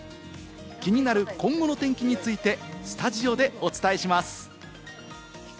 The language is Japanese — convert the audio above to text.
気になる今後の天気につい、てスタジオでお伝えします。